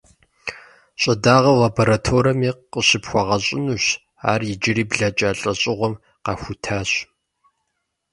Щӏыдагъэр лабораторэми къыщыпхуэгъэщӏынущ, ар иджыри блэкӏа лӏэщӏыгъуэм къахутащ.